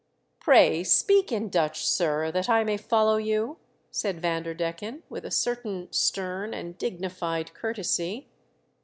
" Pray speak in Dutch, sir, that I may follow you," said Vanderdecken, with a certain stern and dignified courtesy.